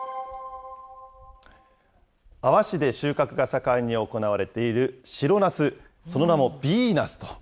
阿波市で収穫が盛んに行われている白ナス、その名も美ナスと。